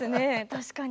確かに。